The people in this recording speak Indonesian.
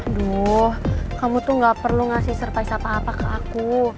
aduh kamu tuh gak perlu ngasih surprise apa apa ke aku